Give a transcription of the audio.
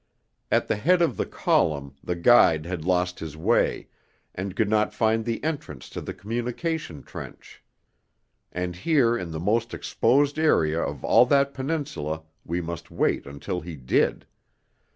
At the head of the column the guide had lost his way, and could not find the entrance to the communication trench; and here in the most exposed area of all that Peninsula we must wait until he did.